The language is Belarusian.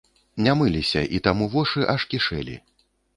Не мыліся, і таму вошы аж кішэлі.